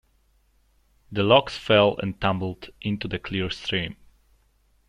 The logs fell and tumbled into the clear stream.